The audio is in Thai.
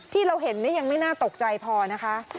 ที่เราเห็นยังไม่น่าตกใจพอนะคะ